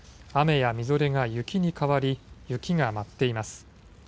雨やみぞれが雪に変わり雪が舞っています。